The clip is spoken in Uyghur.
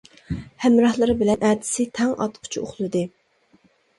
ھەمراھلىرى بىلەن ئەتىسى تاڭ ئاتقىچە ئۇخلىدى.